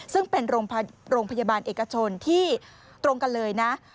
ซึ่งเป็นโรงพยาบาลเอกชนที่ตรงกันเลยนะ